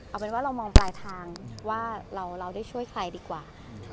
เอาเป็นว่าเรามองปลายทางว่าเราได้ช่วยใครดีกว่า